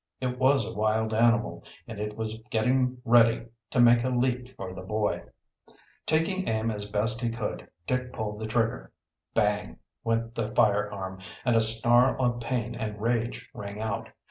It was a wild animal, and it was getting ready to make a leap for the boy! Taking aim as best he could, Dick pulled the trigger. Bang! went the firearm, and a snarl of pain and rage rang out.